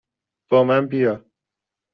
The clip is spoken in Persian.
با من بیا!